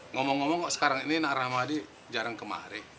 ngomong ngomong kok sekarang ini rahmadi jarang kemari